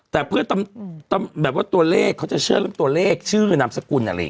แต่เพื่อแบบว่าตัวเลขเขาจะเชื่อเรื่องตัวเลขชื่อนามสกุลอะไรอย่างนี้